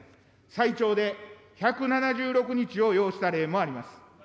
最長で１７６日を要した例もあります。